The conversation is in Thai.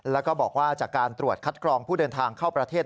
แล้วก็บอกว่าจากการตรวจคัดกรองผู้เดินทางเข้าประเทศ